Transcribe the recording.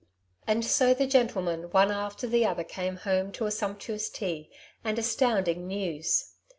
And so the gentlemen one after the other came home to a sumptuous tea, and astounding news.